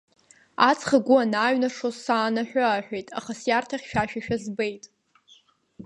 Аҵх агәы анааиҩнашоз саанаҳәы-ааҳәит, аха сиарҭа хьшәашәашәа збеит.